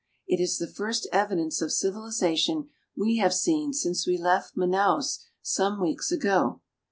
It is the first evidence of civilization we have seen since we left Manaos some weeks ago.